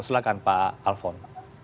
silahkan pak alfon